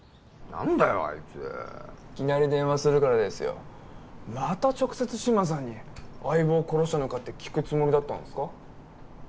何だよあいついきなり電話するからですよまた直接志摩さんに相棒殺したのか？って聞くつもりだったんすか？